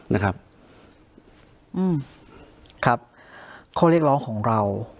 นะครับอืมครับข้อเรียกร้องของเรา